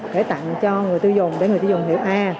để tặng cho người tiêu dùng để người tiêu dùng hiểu a